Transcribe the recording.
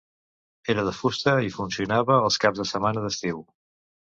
Era de fusta i funcionava els caps de setmana d'estiu.